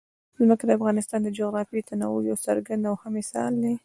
ځمکه د افغانستان د جغرافیوي تنوع یو څرګند او ښه مثال دی.